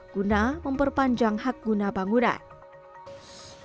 guna memperpanjang hak guna bangunan